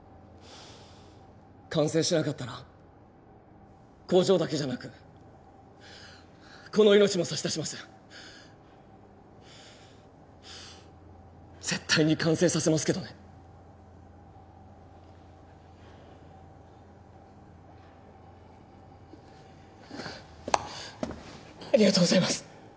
完成しなかったら工場だけじゃなくこの命も差し出します絶対に完成させますけどねありがとうございます！